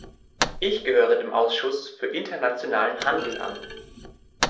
Ich gehöre dem Ausschuss für internationalen Handel an.